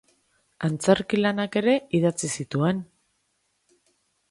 Antzerki lanak ere idatzi zituen.